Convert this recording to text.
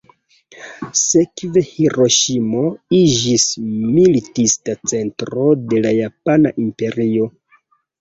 Sekve Hiroŝimo iĝis militista centro de la japana imperio.